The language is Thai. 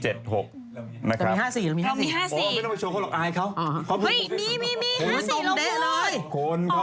ไม่ต้องไปโชว์เขาหรอกอายเขา